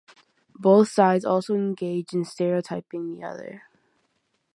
Both sides also engage in stereotyping the other.